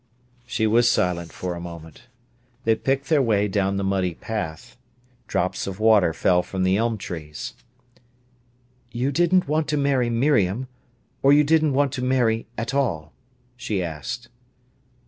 She was silent for a moment. They picked their way down the muddy path. Drops of water fell from the elm trees. "You didn't want to marry Miriam, or you didn't want to marry at all?" she asked.